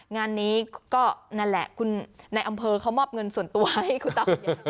งานนี้ก็นั่นแหละคุณในอำเภอเขามอบเงินส่วนตัวให้คุณตาคุณยาย